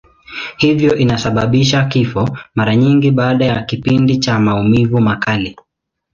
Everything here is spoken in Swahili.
Hivyo inasababisha kifo, mara nyingi baada ya kipindi cha maumivu makali.